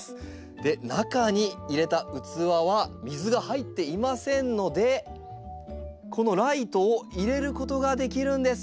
で中に入れた器は水が入っていませんのでこのライトを入れることができるんです。